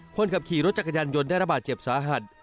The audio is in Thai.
คนขับขี่รถจักรยานยนต์ได้ระบาดเจ็บสาหัส